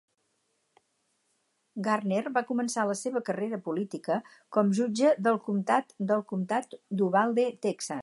Garner va començar la seva carrera política com jutge de comtat del comtat d'Uvalde, Texas.